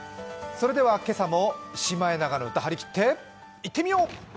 それでは今朝も「シマエナガの歌」張り切っていってみよう。